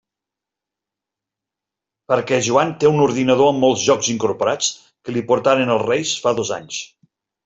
Perquè Joan té un ordinador amb molts jocs incorporats que li portaren els Reis fa dos anys.